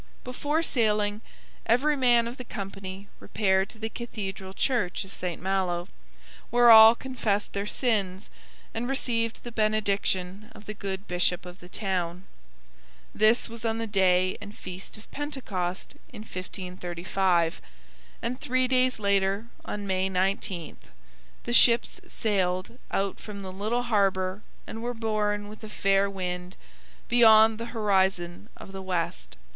Before sailing, every man of the company repaired to the Cathedral Church of St Malo, where all confessed their sins and received the benediction of the good bishop of the town. This was on the day and feast of Pentecost in 1535, and three days later, on May 19, the ships sailed out from the little harbour and were borne with a fair wind beyond the horizon of the west.